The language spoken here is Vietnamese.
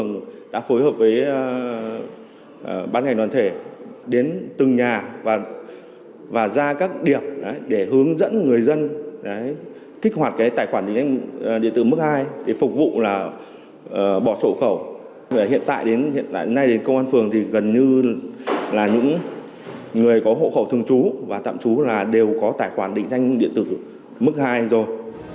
người có hộ khẩu thường trú và tạm trú là đều có tài khoản định danh địa tử mức hai rồi